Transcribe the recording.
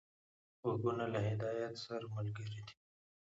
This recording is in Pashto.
غوږونه له هدایت سره ملګري دي